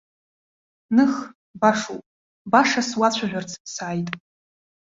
Ных, башоуп, баша суацәажәарц сааит.